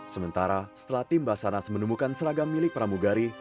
sementara setelah tim basarnas menemukan seragam milik pramugari